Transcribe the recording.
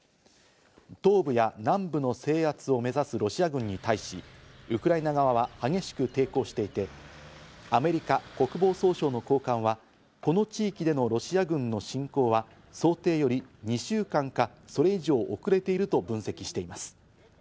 東部や南部の制圧を目指すロシア軍に対し、ウクライナ側は激しく抵抗していて、アメリカ国防総省の高官はこの地域でのロシア軍の侵攻は想定より２週間かそれ以上遅れていると分析しています。